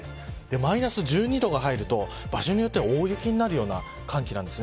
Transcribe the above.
マイナス１２度が入ると場所によっては大雪になるような寒気なんです。